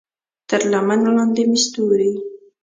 تر لمن لاندې مې ستوري